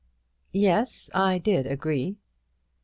"Yes, I did agree."